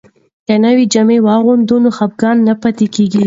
که نوې جامې واغوندو نو خپګان نه پاتې کیږي.